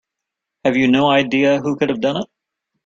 Have you no idea who could have done it?